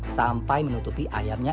sampai menutupi ayamnya